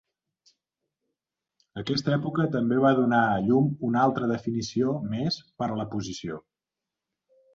Aquesta època també va donar a llum una altra definició més per a la posició.